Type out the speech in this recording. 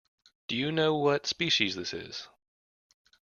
Do you know what species this is?